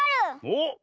おっ。